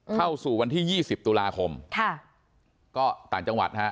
เข้าสู่วันที่ยี่สิบตุลาคมค่ะก็ต่างจังหวัดฮะ